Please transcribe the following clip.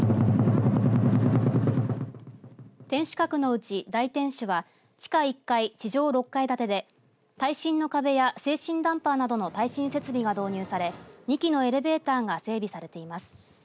天守閣のうち、大天守は地下１階、地上６階建てで耐震の壁や制震ダンパーなどの耐震設備が導入され２基のエレベーターが整備されています。